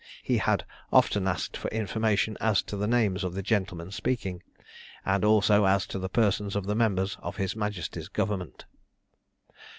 He had often asked for information as to the names of the gentlemen speaking, and also as to the persons of the members of his majesty's government.